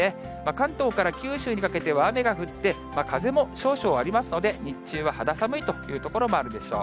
関東から九州にかけては雨が降って、風も少々ありますので、日中は肌寒いという所もあるでしょう。